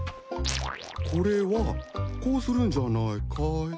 これはこうするんじゃないかい？